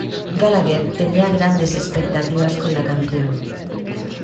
Gallagher tenía grandes expectativas con la canción.